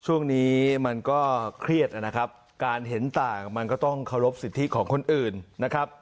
ช่วงนี้มันก็เครียดนะครับการเห็นต่างมันก็ต้องเคารพสิทธิของคนอื่นนะครับ